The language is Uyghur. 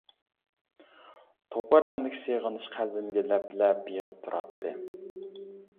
توپا رەڭلىك سېغىنىش قەلبىمگە لەپ-لەپ يىغىپ تۇراتتى.